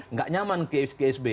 nggak nyaman ke ksb